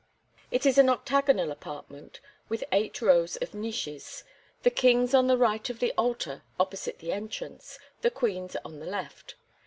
It is an octagonal apartment, with eight rows of niches, the kings on the right of the altar opposite the entrance, the queens on the left.